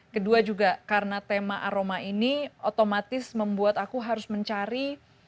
kedua juga karena tema aroma ini otomatis membuat aku harus mencari